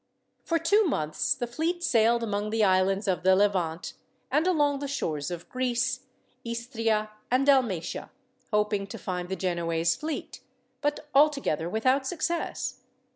For two months the fleet sailed among the islands of the Levant, and along the shores of Greece, Istria, and Dalmatia; hoping to find the Genoese fleet, but altogether without success.